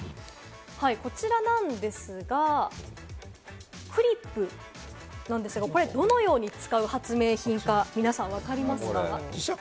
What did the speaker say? こちらなんですが、グリップなんですが、どのように使う発明かわかりますか？